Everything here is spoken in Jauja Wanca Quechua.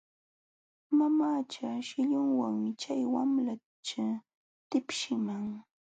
Mamacha shillunwanmi chay wamlacha tipshiqman.